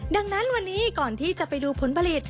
ดังนั้นวันนี้ก่อนที่จะไปดูผลผลิต